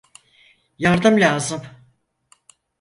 Yardım lazım!